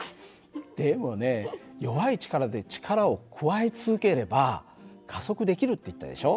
でもね弱い力で力を加え続ければ加速できるって言ったでしょ。